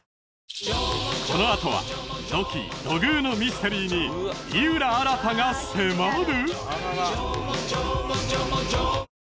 このあとは土器土偶のミステリーに井浦新が迫る！？